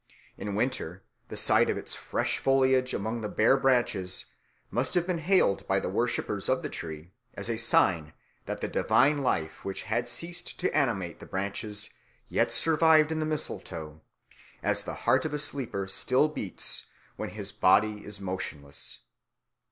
In winter the sight of its fresh foliage among the bare branches must have been hailed by the worshippers of the tree as a sign that the divine life which had ceased to animate the branches yet survived in the mistletoe, as the heart of a sleeper still beats when his body is motionless.